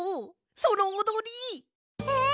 そのおどり！え？